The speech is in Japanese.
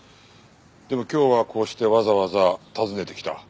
でも今日はこうしてわざわざ訪ねてきた。